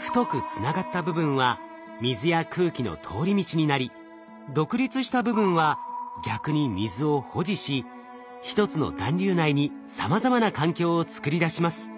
太くつながった部分は水や空気の通り道になり独立した部分は逆に水を保持し一つの団粒内にさまざまな環境を作り出します。